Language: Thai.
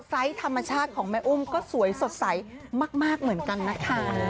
ธรรมชาติของแม่อุ้มก็สวยสดใสมากเหมือนกันนะคะ